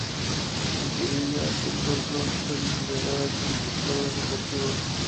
El Sevilla Fútbol Club suele celebrar aquí sus logros deportivos.